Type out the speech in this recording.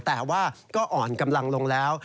แต่ว่าก็อ่อนกำลังลงแล้ว